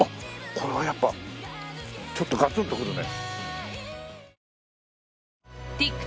これはやっぱちょっとガツンとくるね。